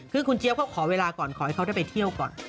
คือคุณเจี๊ยบเขาขอเวลาก่อนขอให้เขาได้ไปเที่ยวก่อน